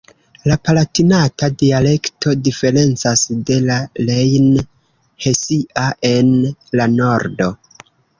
La Palatinata dialekto diferencas de la Rejn-Hesia en la Nordo.